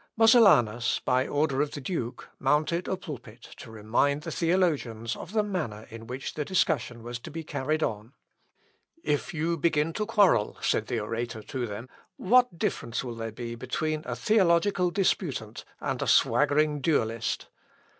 Mosellanus, by order of the duke, mounted a pulpit, to remind the theologians of the manner in which the discussion was to be carried on. "If you begin to quarrel," said the orator to them, "what difference will there be between a theological disputant and a swaggering duellist?